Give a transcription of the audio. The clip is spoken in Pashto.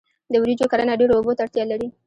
د وریجو کرنه ډیرو اوبو ته اړتیا لري.